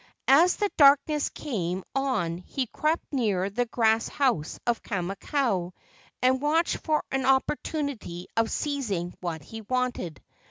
As the darkness came on he crept near the grass house of Kamakau and watched for an opportu¬ nity of seizing what he wanted.